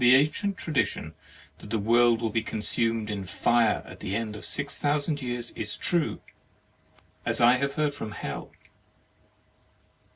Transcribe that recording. The ancient tradition that the world will be consumed in fire at the end of six thousand years is true, as I have heard from Hell.